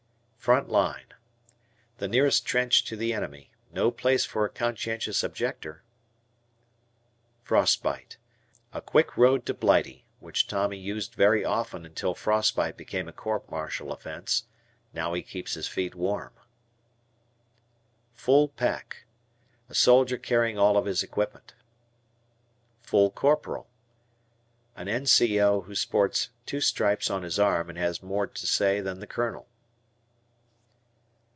Front Line. The nearest trench to the enemy. No place for a conscientious objector. Frostbite. A quick road to Blighty, which Tommy used very often until frostbite became a court martial offence. Now he keeps his feet warm. "Full pack." A soldier carrying all of his equipment. Full Corporal. A N.C.O. who sports two stripes on his arm and has more to say than the Colonel.